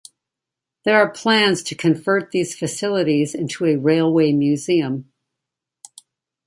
There are plans to convert these facilities into a railway museum.